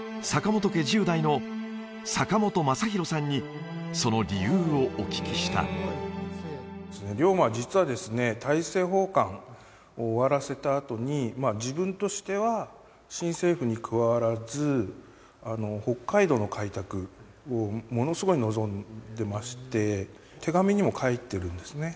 本家１０代の坂本匡弘さんにその理由をお聞きした龍馬実はですね大政奉還を終わらせたあとに自分としては新政府に加わらず北海道の開拓をものすごい望んでまして手紙にも書いてるんですね